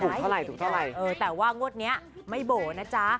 เท่าไหร่ถูกเท่าไหร่เออแต่ว่างวดนี้ไม่โบ๋นะจ๊ะ